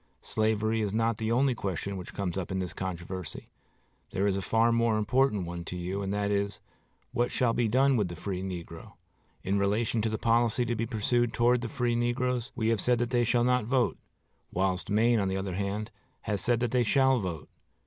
Slavery is not the only question which comes up in this controversy. There is a far more important one to you, and that is, What shall be done with the free negro?... In relation to the policy to be pursued toward the free negroes, we have said that they shall not vote; whilst Maine, on the other hand, has said that they shall vote.